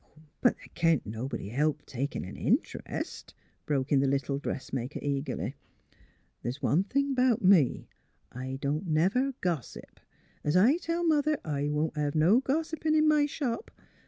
'' But the' can't nobody help takin' an int'rest," broke in the little dressmaker, eagerly. " The's one thing about me, I don 't never gossip. Es I tell Mother, I won't hev no gossipin' in my shop.